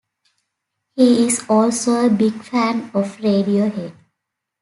He is also a big fan of Radiohead.